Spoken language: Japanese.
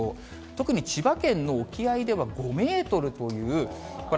特に千葉県の沖合では、５メートルという、これ、